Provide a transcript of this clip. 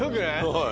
はい。